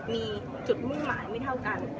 มีจุดมุ่งหมายไม่เท่ากัน